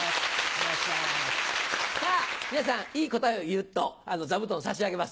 さぁ皆さんいい答えを言うと座布団を差し上げます。